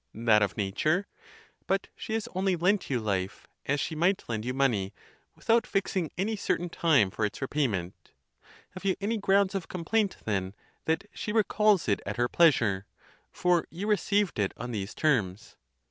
That of nature? But she has only lent you life, as she might lend you money, without fixing any certain time for its repayment. Have you any grounds of complaint, ON THE CONTEMPT OF DEATH. 51 then, that she recalls it at her pleasure? for you received it on these terms.